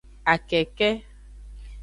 Akeke.